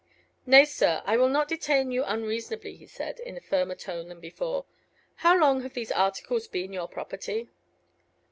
"Nay, sir, I will not detain you unreasonably," he said, in a firmer tone than before. "How long have these articles been your property?"